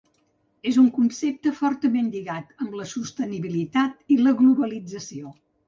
És un concepte fortament lligat amb la sostenibilitat i la globalització.